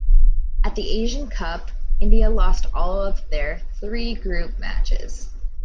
At the Asian Cup, India lost all of their three group matches.